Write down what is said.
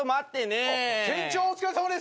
店長お疲れさまです。